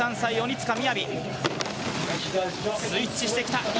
スイッチしてきた。